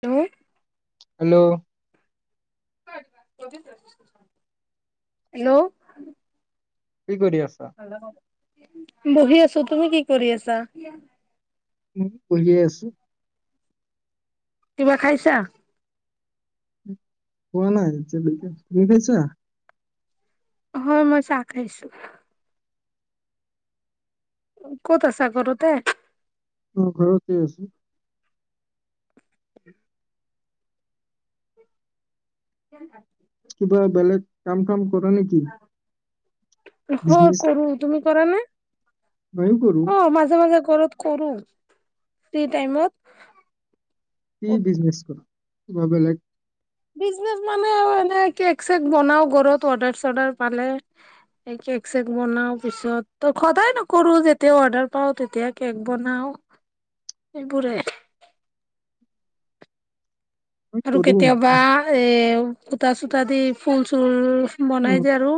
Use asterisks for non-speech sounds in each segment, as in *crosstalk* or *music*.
Hello hello hello কি কৰি আছা? বহি আছো। ত তুমি কি কৰি আছা? উ বহিয়েই আছো। কিবা খাইছা? খোৱা নাই। তুমি খাইছা? হয় মই চাহ খাইছো। ক'ত আছা? ঘৰতে? অ ঘৰতে আছো। কে *inaudible* কিবা বেলেগ কাম চাম কৰনেকি? হয় কৰো। তুমি কৰা নে? মইয়ো কৰো অ মাজে মাজে ঘৰত কৰো ফিটীইমত কি বিজনেছ কৰ? বা বেলেগ বিনেজ মানে এনে কেক চেক বনাও ঘৰত অৰ্ডাৰ চৰ্ডাৰ পালে কেক চেক বনাও পিছত ত সদায় নকৰো যেতিয়া অৰ্ডাৰ পাও তেতিয়া কেক বনাও এইবোৰে। মই আৰু কৰো কেতিয়াবা এ কূতা চুতা দি ফুল চুল অ বনাই যে আৰু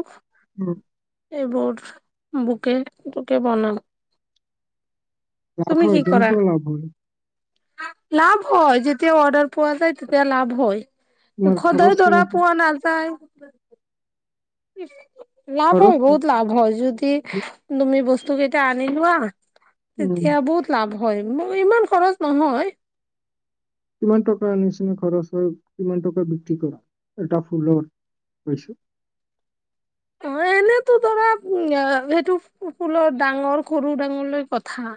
অ, এইবোৰ। বুকে তোকে বনাও। লাভ তুমি কি হয় কৰা? কেনেকুৱাও লাভ হয়? লাভ হয় যেতিয়া অৰ্ডাৰ পোৱা যায় তেতিয়া লাভ হয়। তোমাৰ খৰচ সদায় ধৰা কেনেকুৱা পোৱা নাযায়। *unintelligible* লাভ খৰচ হয়, কি- বহুত লাভ হয় যদি তুমি বস্তু টুকেইটা এতিয়া আনি লোৱা উম তেতিয়া বহুত লাভ হয়। মোৰ ইমান খৰচ নহয় কিমান টকা নিচিনা খৰচ হয় কিমান টকা বিক্ৰী কৰা এটা ফুলৰ অ', এনেতো ধৰা উম সেইটো ফু ফুলৰ ডাঙৰ-সৰু ডাঙৰ ক থা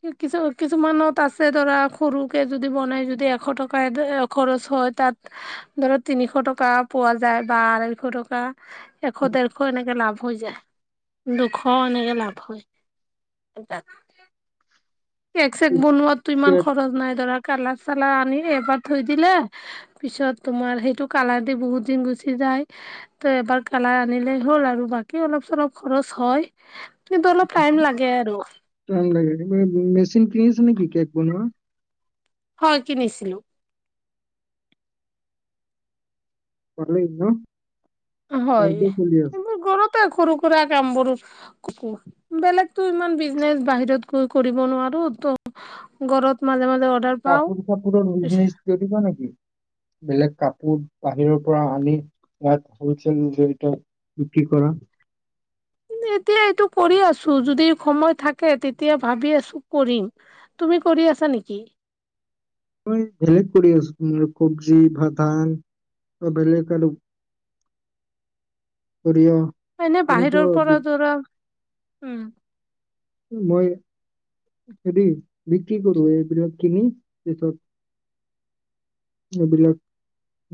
কিছু কিছু কিছুমানত আছে ধৰা সৰুকে যদি বনাই যদি এশ টকা খৰচ হয় তাত ধৰা তিনিশ টকা পোৱা যায় বা আঢ়ৈশ টকা এশ ডেৰশ এনেকে লাভ হৈ যায় দুশ এনেকে লাভ হয় তাত এচেড বনোৱাত টো ইমান কেক খৰচ নাই ধৰা কালাৰ-চালাৰ আনি এবাৰ থৈ দিলে পিছত তোমাৰ সেইটো কালাৰ দি বহুত দিন গুচি যায় ত' এবাৰ কালাৰ আনিলে হ'ল আৰু বাকী অলপ-চলপ খৰচ হয় কিন্তু অলপ টাইম লাগে আৰু লাগে মে মেচিন কিনি আছে নেকি কেক বনোৱা হয় কিনিছিলো। বয়লিং ন' হয় ঘৰতে চলি আছে। এইবোৰ ঘৰতে সৰু-সুৰা কামবোৰো বেলেগটো ইমান বিজনেচ বাহিৰত গৈ কৰিব নোৱাৰো ত' ঘৰত মাজে মাজে অৰ্ডাৰ পাও কাপোৰ-চাপোৰৰ বিজনেচ কৰিবা নেকি? বেলেগ কাপোৰ বাহিৰৰ পৰা আনি ইয়াত হোলচেল জড়িত বিক্ৰী কৰা এতিয়া এইটো কৰি আছো যদি সময় থাকে তেতিয়া ভাবি আছো কৰিম তুমি কৰি আছা নেকি? মই বেলেগ কৰি আছো কব্জি ভ ধান বেলেগ আৰু সৰিয়হ এনে বাহিৰৰ তেনেকুৱা পৰা বি- ধৰা উম মই হেৰি বিক্ৰী কৰো এইবিলাক কিনি পিছত এইবিলাক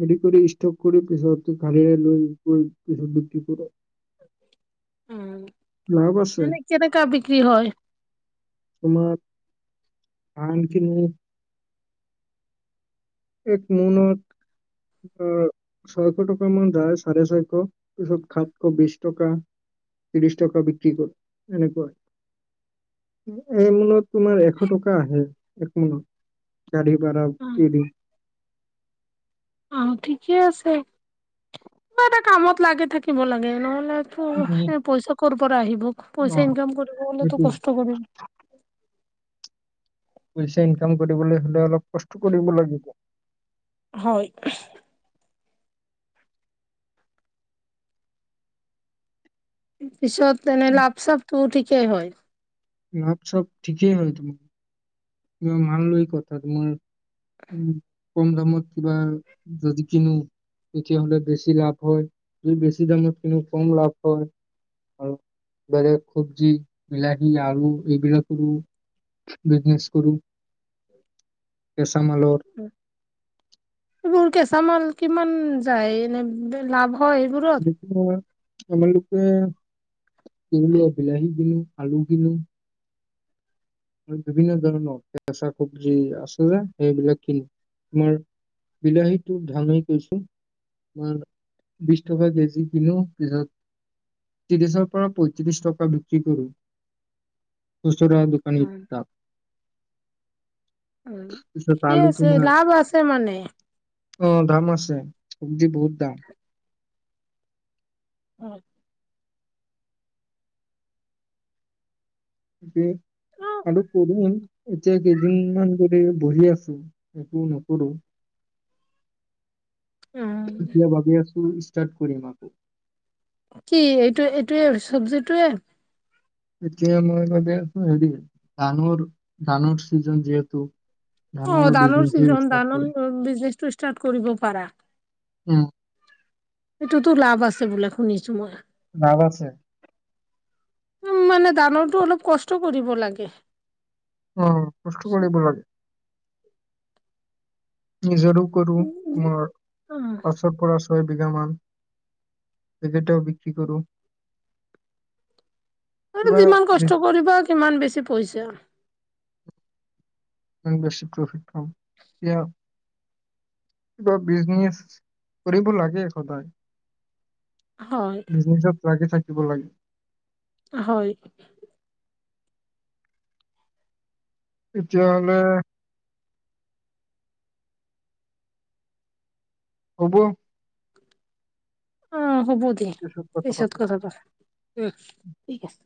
হেৰি কৰি ষ্ট'ক কৰি পিছত গাড়ীৰে লৈ গৈ পিছত বিক্ৰী কৰো। উম লাভ আছে মানে কেনেকা বিক্ৰী হয়? তোমাৰ আনখিনি এক মোনত আহ ছয়শ টকা মান যায় চাৰে ছয়শ পিছত সাতশ বিশ টকা ত্ৰিশ টকা বিক্ৰী কৰে এনেকুৱাই এই মোনত তোমাৰ এশ টকা আহে এক মোনত গাড়ী ভাড়াও অ *unintelligible* অ', ঠিকে আছে কিবা এটা কামত লাগি থাকিব লাগে নহ'লে উম, পই পইচা ক'ৰ পৰা আহিব পইচা অ', ইনকাম কৰিব হ'লেতো সেইটোৱে, কষ্ট কৰিম পইচা ইনকাম কৰিবলৈ হ'লে অলপ কষ্ট কৰিব লাগিব। হয়। পিছত এনেই লাভ-চাভটো ঠিকেই হয় লাভ-চাপ ঠিকেই হয় তোমাৰ মাল লৈ কথা তোমাৰ উম কম দামত কিবা যদি কিনো তেতিয়াহ'লে বেছি লাভ হয় যদি বেছি দামত কিনো কম লাভ হয় আৰু বেলেগ চব্জি, বিলাহী, আলু এইবিলাকৰো বিজনেছ কৰো *unintelligible* তামোলৰ কেচা মাল কিমান যায়, এনেই লাভ- হয় এইবোৰত দুশ টকা তোমালোকে কি বোলে বিলাহী কিনিম আলু কিনিম বিভিন্ন ধৰণৰ কেঁচা চব্জি আছে যে সেইবিলাক কিনো তোমাৰ বিলাহীটোৰ দামেই কৈছো তোমাৰ বিশ টকা কেজি কিনো পিছত ত্ৰিশৰ পৰা পয়ত্ৰিশ টকা বিক্ৰী কৰো। খুচুৰা দোকানীক উম উম পিছত ঠিকেই আলু আছে, তোমাৰ লাভ আছে মানে? অ' দাম আছে, চব্জি বহুত দাম। অ' কে অ আৰু কেইদিনমান, এতিয়া কেইদিনমান ধৰি বহি আছো, একো নকৰো। উম, এতিয়া ভাবি আছো ষ্টাৰ্ট কৰিম আকৌ কি এইটো এইটোৱয়ে চব্জিটোয়ে? এতিয়া মই ভাবি আছো, হেৰি ধানৰ ধানৰ চিজন যিহেতু অ' ধানৰ বিজনেছে চিজন ষ্টাৰ্ট ধানৰ কৰিম বিজনেচটো ষ্টাৰ্ট কৰিব পাৰা। উম সেইটোতো লাভ আছে বোলে শুনিছো মই। লাভ আছে। উম, মানে ধানৰটো অলপ কষ্ট কৰিব লাগে। অ' কষ্ট কৰিব লাগে। নিজৰো কৰো মোৰ অ', ওচৰৰ পৰা ছয় বিঘ মান, সেইকেটাও বিক্ৰী কৰোঁ। আৰু যিমান কষ্ট কৰিবা সিমান বেছি পইছা। বেছি প্ৰফিট পাওঁ কিবা বিজনেছ কৰিব লাগে সদায়। হয়, বিজনেছত লাগি থাকি দিব লাগে। হয়। তেতিয়াহ'লে। হ'ব। অ' হ'ব দে পিছত কথা পাতা উ ঠিক আছে।